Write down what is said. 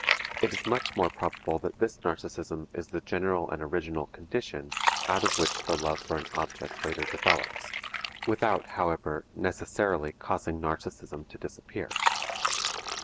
It is much more probable that this narcism is the general and original condition, out of which the love for an object later develops, without however necessarily causing narcism to disappear.